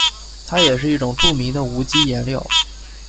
它也是一种著名的无机颜料。